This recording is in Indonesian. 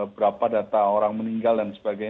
berapa data orang meninggal dan sebagainya